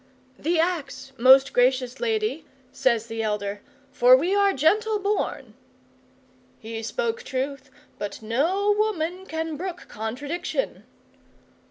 '"The axe, most gracious lady," says the elder, "for we are gentle born." He spoke truth, but no woman can brook contradiction.